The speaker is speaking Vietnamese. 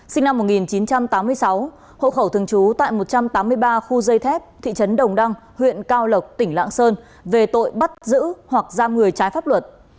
sinh năm một nghìn chín trăm tám mươi sáu hộ khẩu thường trú tại một trăm tám mươi ba khu dây thép thị trấn đồng đăng huyện cao lộc tỉnh lạng sơn về tội bắt giữ hoặc giam người trái pháp luật